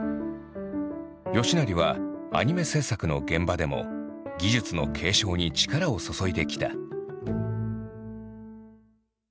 吉成はアニメ制作の現場でも技術の継承に力を注いできた。